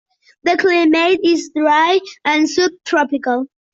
The climate is dry and subtropical.